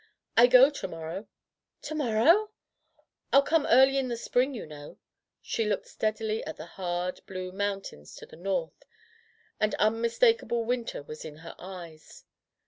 "I go to morrow/' "To morrow ?'* "I'll come early in the spring, you know/' She looked steadily at the hard blue moun tains to the north, and unmistakable winter was in her eyes.